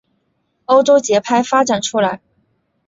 欧洲节拍发展出来。